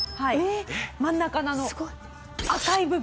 真ん中のあの赤い部分。